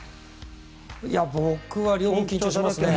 僕は、両方緊張しますね。